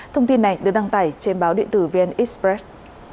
thông tin này được đăng tải trên báo điện tử vn express